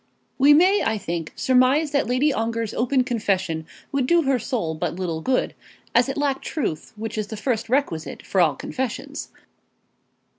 We may, I think, surmise that Lady Ongar's open confession would do her soul but little good, as it lacked truth, which is the first requisite for all confessions.